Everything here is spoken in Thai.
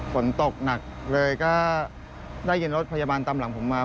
ฝนตกหนักเลยก็ได้ยินรถพยาบาลตามหลังผมมา